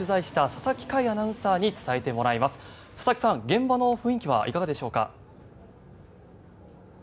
佐々木さん、現場の雰囲気はいかがでしょうか。